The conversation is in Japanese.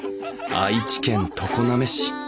愛知県常滑市。